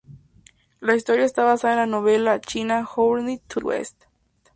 La historia está basada en la novela china Journey to the West.